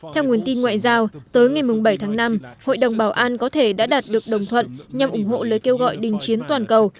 theo nguồn tin ngoại giao tới ngày bảy tháng năm hội đồng bảo an có thể đã đạt được đồng thuận nhằm ủng hộ lời kêu gọi đình chiến toàn cầu